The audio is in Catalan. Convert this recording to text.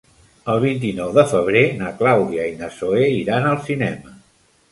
El vint-i-nou de febrer na Clàudia i na Zoè iran al cinema.